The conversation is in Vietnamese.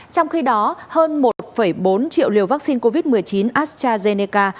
trong khi đó hơn một bốn triệu liều vaccine covid một mươi chín astrazeneca